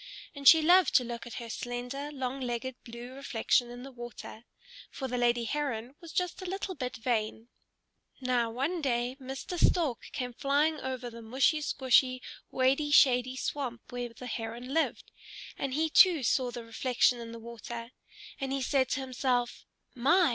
And she loved to look at her slender, long legged blue reflection in the water; for the lady Heron was just a little bit vain. Now one day Mr. Stork came flying over the mushy squshy, wady shady swamp where the Heron lived, and he too saw the reflection in the water. And he said to himself, "My!